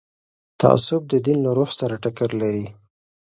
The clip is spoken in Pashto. تعصب د دین له روح سره ټکر لري